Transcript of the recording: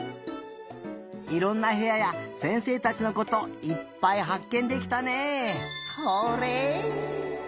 いろんなへやや先生たちのこといっぱいはっけんできたね！